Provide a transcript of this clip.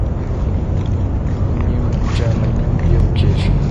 نيم جمع نيم؛ يو کېږي.